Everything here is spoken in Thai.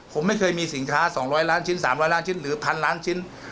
ผมไม่เคยมีสินค้าสองร้อยล้านชิ้นสามร้อยล้านชิ้นหรือพันล้านชิ้น